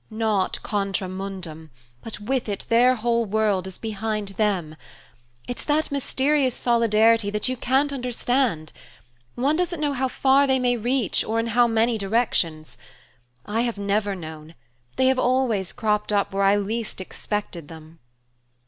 "Not contra mundum, but with it, their whole world is behind them. It's that mysterious solidarity that you can't understand. One doesn't know how far they may reach, or in how many directions. I have never known. They have always cropped up where I least expected them."